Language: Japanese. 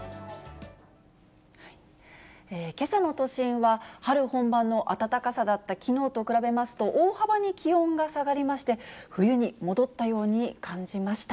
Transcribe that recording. けさの都心は春本番の暖かさだったきのうと比べますと、大幅に気温が下がりまして、冬に戻ったように感じました。